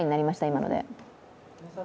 今ので。